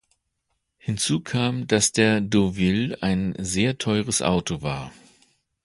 Hinzu kam, dass der Deauville ein sehr teures Auto war.